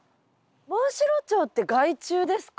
モンシロチョウって害虫ですか？